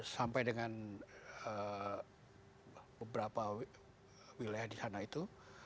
sampai dengan beberapa wilayah di sana itu